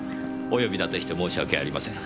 お呼び立てして申し訳ありません。